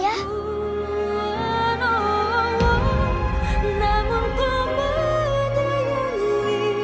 ada saat baik ini